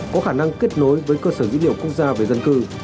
có khả năng kết nối với cơ sở dữ liệu quốc gia về dân cư